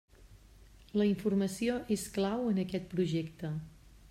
La informació és clau en aquest projecte.